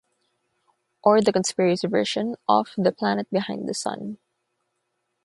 Or the conspiracy version of the planet behind the sun.